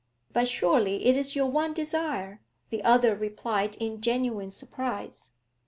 'But surely it is your one desire?' the other replied in genuine surprise.